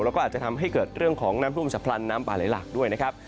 แล้วก็อาจจะทำให้เกิดเรื่องของน้ำท่วมฉับพลันน้ำป่าไหลหลากด้วยนะครับ